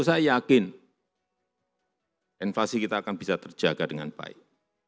saya yakin invasi kita akan bisa terjaga dengan baik